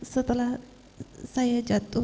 setelah saya jatuh